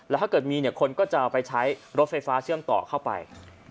แล้วถ้าเกิดมีเนี่ยคนก็จะไปใช้รถไฟฟ้าเชื่อมต่อเข้าไป